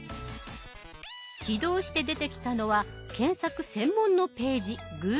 起動して出てきたのは検索専門のページ「Ｇｏｏｇｌｅ」です。